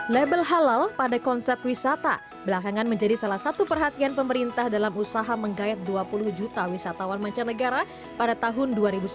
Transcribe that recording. label halal pada konsep wisata belakangan menjadi salah satu perhatian pemerintah dalam usaha menggayat dua puluh juta wisatawan mancanegara pada tahun dua ribu sembilan belas